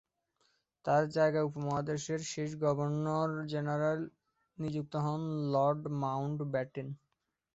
তাঁর জায়গায় উপমহাদেশের শেষ গভর্নর জেনারেল নিযুক্ত হন লর্ড মাউন্টব্যাটেন।